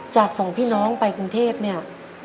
สองพี่น้องไปกรุงเทพเนี่ย